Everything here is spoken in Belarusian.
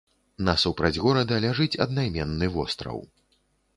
Насупраць горада ляжыць аднайменны востраў.